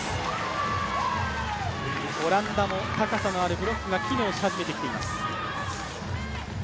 オランダの高さのあるブロックが機能し始めています。